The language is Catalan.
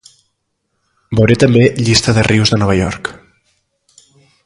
Veure també Llista de rius de Nova York.